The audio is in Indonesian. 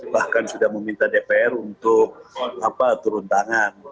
bahkan sudah meminta dpr untuk turun tangan